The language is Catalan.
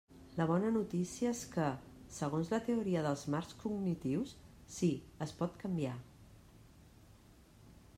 La bona notícia és que, segons la teoria dels marcs cognitius, sí, es pot canviar.